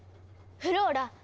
フローラ